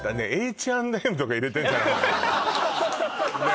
Ｈ＆Ｍとか入れてんじゃないのよね